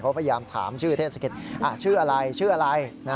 เขาพยายามถามชื่อเทศกิจชื่ออะไรชื่ออะไร